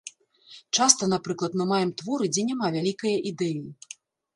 Часта, напрыклад, мы маем творы, дзе няма вялікае ідэі.